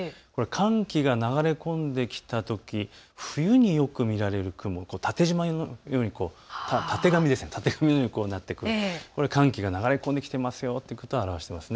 寒気が流れ込んできたとき、冬によく見られる雲、たてがみのようになっている、寒気が流れ込んできているということを表しています。